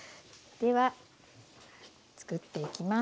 では作っていきます。